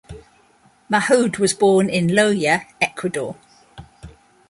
Mahuad was born in Loja, Ecuador.